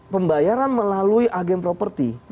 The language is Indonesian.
pembayaran melalui agen properti